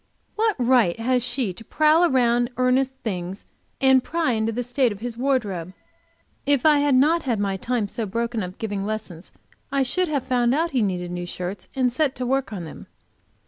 What right has she to prowl round among Ernest's things and pry into the state of his wardrobe? If I had not had my time so broken up with giving lessons, I should have found out that he needed new shirts and set to work on them.